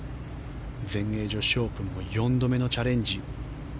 全英女子オープンは４度目のチャレンジ。